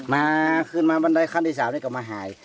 มาขึ้นมาบันไดขั้นที่๓นี่ก็มาหาย